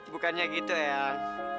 bukannya gitu eang